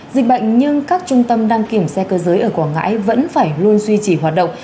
dịch bệnh nhưng các trung tâm đăng kiểm xe cơ giới ở quảng ngãi vẫn phải luôn duy trì hoạt động